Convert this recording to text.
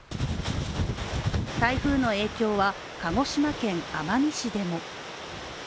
台風の影響は鹿児島県奄美市でも。